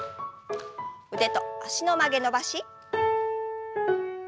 腕と脚の曲げ伸ばし。